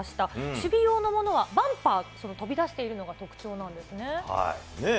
守備用のものはバンパー、飛び出しているのが特徴なんですね。